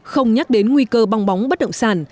không nhắc đến nguy cơ bong bóng bất động sản